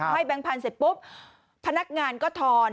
แบงค์พันธุ์เสร็จปุ๊บพนักงานก็ทอน